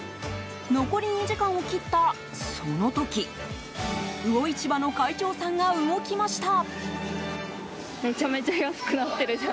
残り２時間を切った、その時魚市場の会長さんが動きました。